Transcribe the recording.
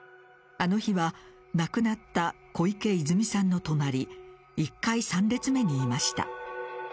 あの日は亡くなった小池いづみさんの隣１階３列目にいました。